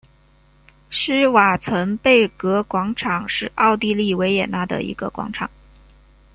施瓦岑贝格广场是奥地利维也纳的一个广场。